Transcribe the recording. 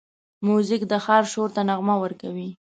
موزیک د ښار شور ته نغمه ورکوي.